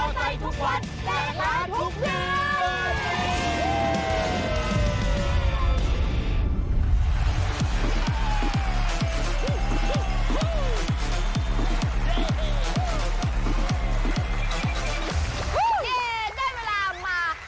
และมอเตอร์ไซด์ทุกวัน